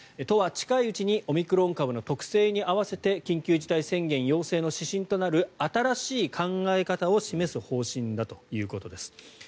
都は近いうちにオミクロン株の特性に合わせて緊急事態宣言要請の指針となる新しい考え方を示す方針だということです。